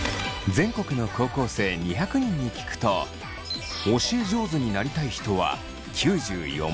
全国の高校生２００人に聞くと教え上手になりたい人は９４％。